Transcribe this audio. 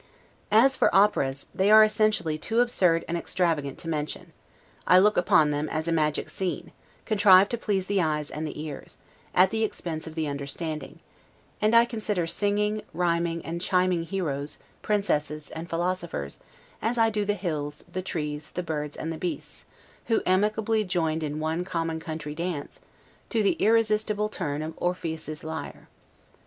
As for Operas, they are essentially too absurd and extravagant to mention; I look upon them as a magic scene, contrived to please the eyes and the ears, at the expense of the understanding; and I consider singing, rhyming, and chiming heroes, and princesses, and philosophers, as I do the hills, the trees, the birds, and the beasts, who amicably joined in one common country dance, to the irresistible turn of Orpheus's lyre.